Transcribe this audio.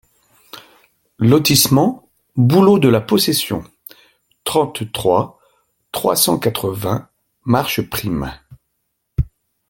Lotissement Bouleaux de la Possession, trente-trois, trois cent quatre-vingts Marcheprime